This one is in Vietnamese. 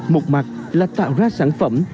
một mặt là tạo ra sản phẩm